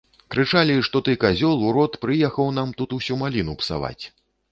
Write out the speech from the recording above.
Крычалі, што ты казёл, урод, прыехаў нам тут усю маліну псаваць.